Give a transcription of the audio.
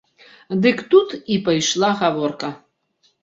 Дык тут і пайшла гаворка.